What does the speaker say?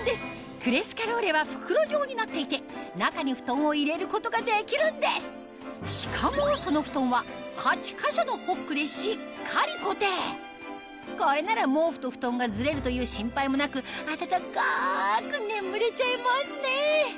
クレスカローレは袋状になっていてしかもその布団は８か所のホックでしっかり固定これなら毛布と布団がずれるという心配もなく暖かく眠れちゃいますね